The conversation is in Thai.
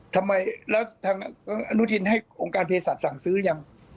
ทำไมแล้วทางอนุทินให้องค์การเพศสัตว์สั่งซื้อยัง